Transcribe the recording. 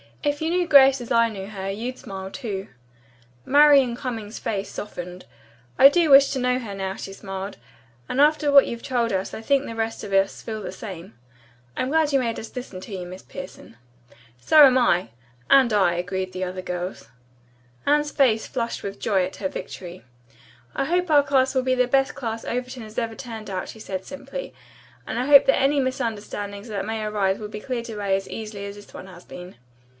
"If you knew Grace as I know her, you'd smile, too." Marian Cummings's face softened. "I do wish to know her, now," she smiled. "After what you've told us I think the rest of us feel the same. I'm glad you made us listen to you, Miss Pierson." "So am I," "and I," agreed the other girls. Anne's face flushed with joy at her victory. "I hope 19 will be the best class Overton has ever turned out," she said simply, "and I hope that any misunderstandings that may arise will be cleared away as easily as this one has been."